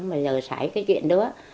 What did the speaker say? mà giờ xảy cái chuyện đó